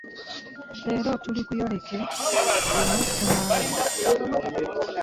Leero tuli ku yorerkeluno tunalaba .